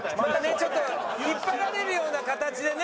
ちょっと引っ張られるような形でね